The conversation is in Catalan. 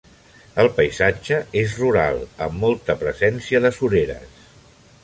El paisatge és rural, amb molta presència de sureres.